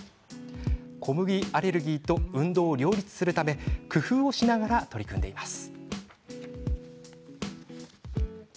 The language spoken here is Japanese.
小麦アレルギーと運動を両立するため工夫をしながら取り組んでいます。